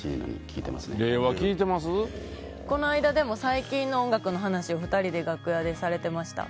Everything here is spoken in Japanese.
この間最近の音楽の話を２人で楽屋でされてました。